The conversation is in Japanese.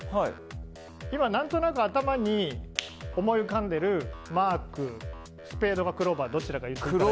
今、何となく頭に思い浮かんでいるマークはスペードかクローバーどっちか言っていただいて。